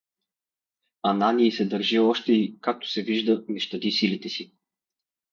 Ананий се държи още и, както се вижда, не щади силите си.